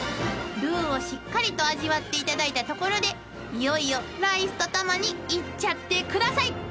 ［ルーをしっかりと味わっていただいたところでいよいよライスと共にいっちゃってください］